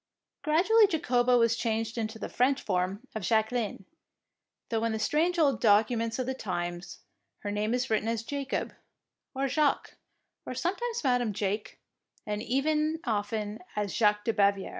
Grad ually Jacoba was changed into the French form of Jacqueline, though in the strange old documents of the times her name is written as Jacob, or Jacque, or sometimes Madam Jake, and often as Jaque de Baviere.